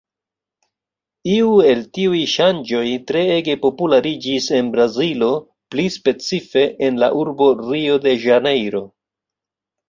Iu el tiuj ŝanĝoj treege populariĝis en Brazilo, pli specife, en la urbo Rio-de-Ĵanejro.